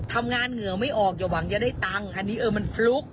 ทำงานเหงื่อไม่ออกอย่าหวังจะได้ตังค์อันนี้เออมันฟลุก